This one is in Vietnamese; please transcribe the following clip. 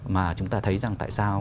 mà chúng ta thấy rằng tại sao